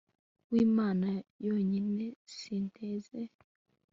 rw''imana yonyine, sinteze